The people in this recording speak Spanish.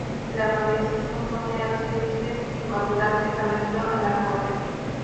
La provincia se componía de doce divisiones, y su capital se estableció en Lahore.